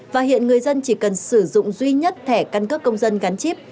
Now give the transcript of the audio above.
và hiện người dân chỉ cần sử dụng duy nhất thẻ căn cước công dân gắn chip